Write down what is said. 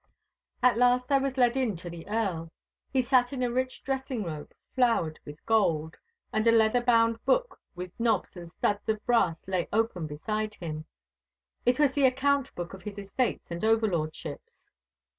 At last I was led in to the Earl. He sat in a rich dressing robe, flowered with gold, and a leather bound book with knobs and studs of brass lay open beside him. It was the account book of his estates and overlordships.